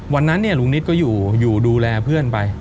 วันนั้นลุงนิดก็อยู่อยู่ดูแลเพื่อนไป